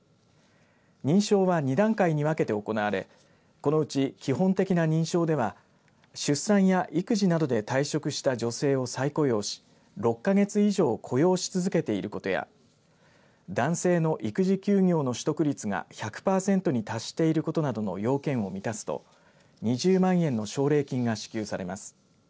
認証は２段階に分けて行われこのうち、基本的な認証では出産や育児などで退職した女性を再雇用し６か月以上雇用し続けていることや男性の育児休業の取得率が１００パーセントに達していることなどの要件を満たすと２０万円の奨励金が支給されます。